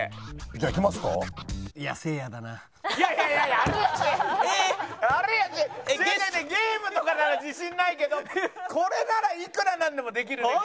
違う違う違うゲームとかなら自信ないけどこれならいくらなんでもできるから。